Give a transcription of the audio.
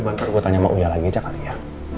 bantar gue tanya sama uya lagi aja kali ya